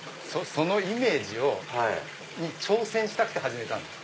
そのイメージに挑戦したくて始めたんです。